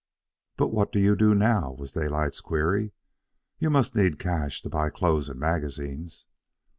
"But what do you do now?" was Daylight's query. "You must need cash to buy clothes and magazines?"